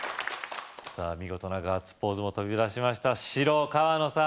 さぁ見事なガッツポーズも飛び出しました白・河野さん